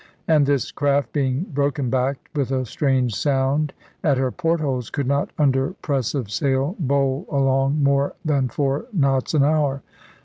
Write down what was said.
And this craft, being broken backed, with a strange sound at her port holes, could not under press of sail bowl along more than four knots an hour.